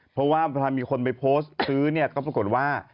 เพราะว่าพอมีคนไปโพสต์ซื้อเนี่ยก็ปรากฏว่า